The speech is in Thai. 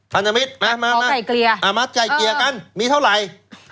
พันธมิตรมามาใจเกลี่ยกันมีเท่าไหร่